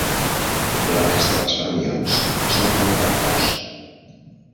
La resta dels fermions són com vectors.